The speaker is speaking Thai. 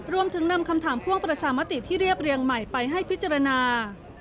รวมถึงนำคำถามพ่วงประชามติที่เรียบเรียงใหม่ไปให้พิจารณา